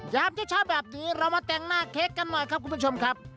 ยามเช้าแบบนี้เรามาแต่งหน้าเค้กกันหน่อยครับคุณผู้ชมครับ